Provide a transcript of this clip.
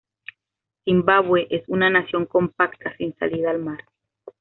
Zimbabue es una nación compacta sin salida al mar.